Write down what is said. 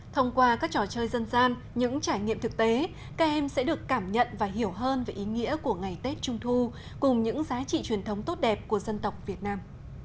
thông qua các trò chơi dân gian những trải nghiệm thực tế các em sẽ được cảm nhận và hiểu hơn về ý nghĩa của ngày tết trung thu cùng những giá trị truyền thống tốt đẹp của dân tộc việt nam